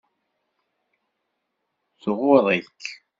Tɣurr-ik.